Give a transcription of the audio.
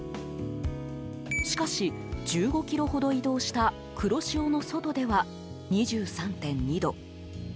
しかし、１５ｋｍほど移動した黒潮の外では２３．２度。